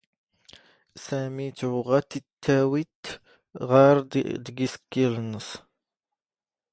ⵙⴰⵎⵉ ⵜⵓⵖⴰ ⵜ ⵉⵉⵜⵜⴰⵡⵉ ⵜⵜ ⵖⴰⵔ ⴷⴳ ⵉⵙⴽⴽⵉⵏ ⵏⵏⵙ.